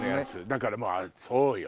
だからもうそうよ！